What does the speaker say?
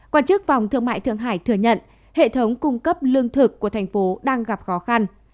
quan chức phòng thương mại thượng hải thừa nhận hệ thống cung cấp lương thực của thành phố đang gặp khó khăn